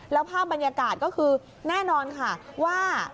แล้วภาพบรรยากาศก็คือแน่นอนค่ะว่า